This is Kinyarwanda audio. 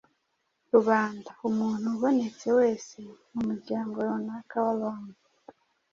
Rubanda: Umuntu ubonetse wese mu muryango runaka w’abantu.